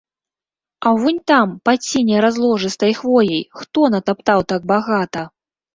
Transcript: А вунь там, пад сіняй разложыстай хвояй, хто натаптаў так багата?